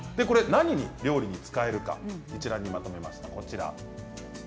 何に料理に使えるかまとめました。